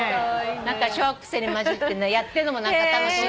小学生に交じってやってんのも楽しいんだよね。